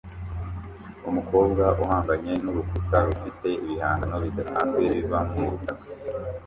Umukobwa uhanganye nurukuta rufite ibihangano bidasanzwe biva mubutaka